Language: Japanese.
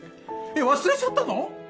えっ忘れちゃったの？